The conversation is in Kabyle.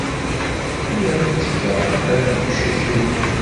Lliɣ ttgeɣ laman deg wecrik-inu.